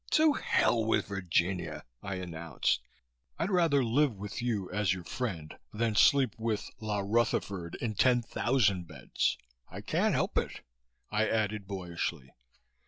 "To hell with Virginia!" I announced. "I'd rather live with you as your friend than sleep with la Rutherford in ten thousand beds. I can't help it," I added boyishly.